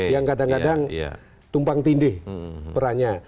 yang kadang kadang tumpang tindih perannya